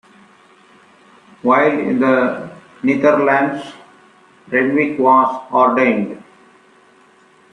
While in the Netherlands Renwick was ordained.